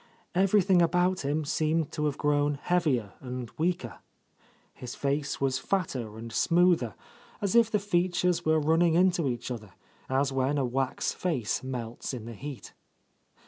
Everything about him seemed to have grown heavier and weaker. His face was fatter and smoother; as if the fea tures were running into each other, as when a wax face melts in the heat.